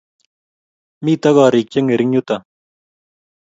Mito korik che ngering yutok